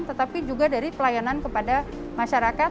tetapi juga dari pelayanan kepada masyarakat